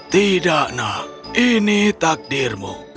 tidak na ini takdirmu